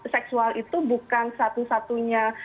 seksual itu bukan satu satunya